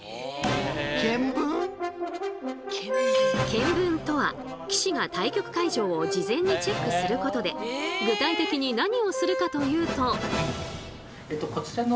検分とは棋士が対局会場を事前にチェックすることで具体的に何をするかというと。